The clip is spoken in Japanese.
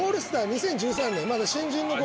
２０１３年まだ新人の頃。